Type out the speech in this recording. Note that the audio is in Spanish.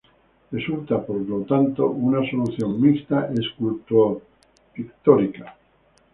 Resulta, por lo tanto, una solución mixta esculto-pictórica.